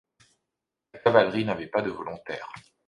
La cavalerie n'avait pas de volontaires.